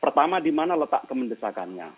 pertama di mana letak kemendesakannya